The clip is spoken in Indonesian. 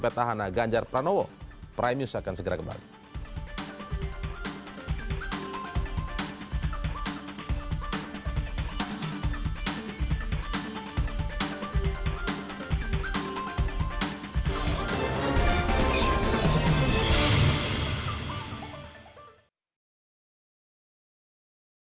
petahana ganjar pranowo prime news akan segera kembali